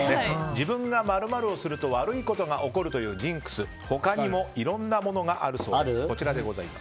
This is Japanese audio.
自分が○○をすると悪いことが起こるというジンクスは他にもいろんなものがあるそうです。